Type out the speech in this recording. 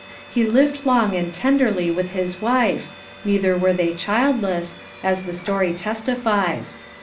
He lived long and tenderly with his wife, neither were they childless, as this story testifies.